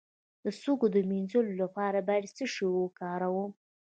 د سږو د مینځلو لپاره باید څه شی وکاروم؟